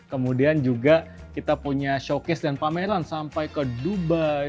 kemudian juga kita punya showcase dan pameran sampai ke dubai